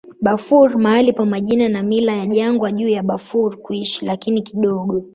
Bafur mahali pa majina na mila ya jangwa juu ya Bafur kuishi, lakini kidogo.